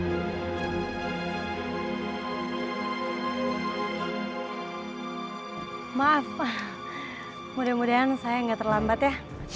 maaf pak mudah mudahan saya nggak terlambat ya